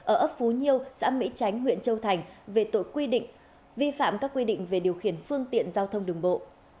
ở ấp phú nhiêu xã mỹ chánh huyện châu thành về tội quy định vi phạm các quy định về điều khiển phương tiện giao thông đường bộ